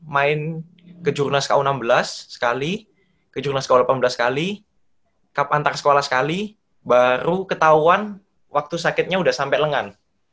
main ke jurnal sku enam belas sekali ke jurnal sku delapan belas sekali kap antar sekolah sekali baru ketahuan waktu sakitnya udah sampe lengan